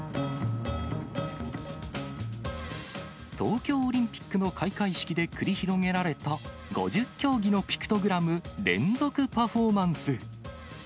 東京オリンピックの開会式で繰り広げられた、５０競技のピクトグラム連続パフォーマンス。